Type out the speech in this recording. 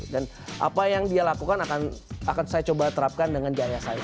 dan apa yang dia lakukan akan saya coba terapkan dengan jaya saya